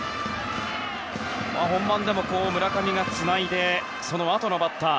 本番でも村上がつないでそのあとのバッター